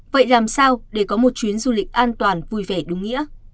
vậy làm sao để có một chuyến du lịch an toàn vui vẻ đúng nghĩa